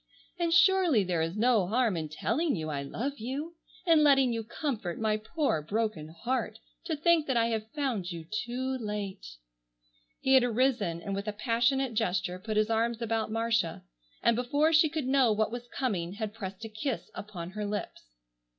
And surely there is no harm in telling you I love you, and letting you comfort my poor broken heart to think that I have found you too late—" He had arisen and with a passionate gesture put his arms about Marcia and before she could know what was coming had pressed a kiss upon her lips.